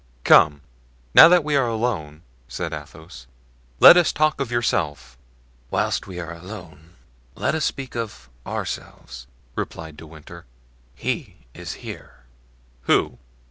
"Come, now that we are alone," said Athos, "let us talk of yourself." "Whilst we are alone let us speak of ourselves," replied De Winter. "He is here." "Who?"